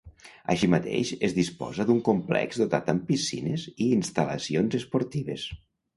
Així mateix es disposa d'un complex dotat amb piscines i instal·lacions esportives.